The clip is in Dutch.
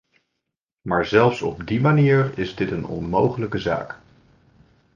Maar zelfs op die manier is dit een onmogelijke zaak.